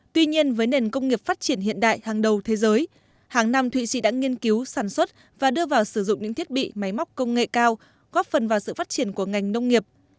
tuy nhiên với nền công nghiệp phát triển hiện đại hàng đầu thế giới hàng năm thụy sĩ đã nghiên cứu sản xuất và đưa vào sử dụng những thiết bị máy móc công nghệ cao góp phần vào sự phát triển của ngành nông nghiệp